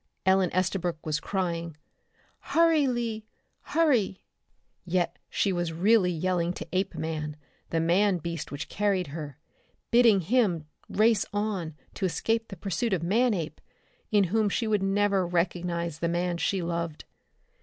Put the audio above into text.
Ellen Estabrook was crying: "Hurry, Lee, hurry!" Yet she was really yelling to Apeman, the man beast which carried her, bidding him race on to escape the pursuit of Manape, in whom she would never recognize the man she loved.